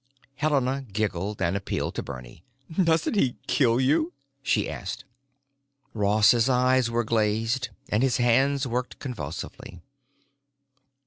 Helena giggled and appealed to Bernie. "Doesn't he kill you?" she asked. Ross's eyes were glazed and his hands worked convulsively.